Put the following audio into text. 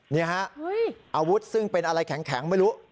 นี่ฮะอาวุธซึ่งเป็นอะไรแข็งไม่รู้